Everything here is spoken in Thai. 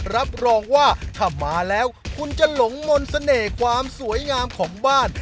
รับรองว่าถ้ามาแล้วคุณจะหลงมนต์เสน่ห์ความสวยงามของบ้าน